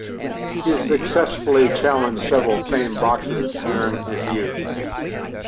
He successfully challenged several famed boxers during his youth.